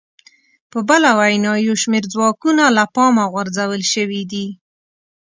په بله وینا یو شمېر ځواکونه له پامه غورځول شوي دي